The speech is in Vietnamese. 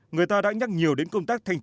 người ta đã nhắc nhiều đến công tác thí nghiệm